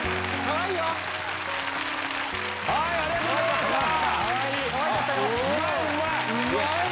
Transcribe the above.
はい、ありがとうございましかわいい。